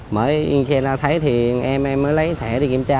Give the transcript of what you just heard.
mới yên xe ra thấy thì em em mới lấy thẻ đi kiểm tra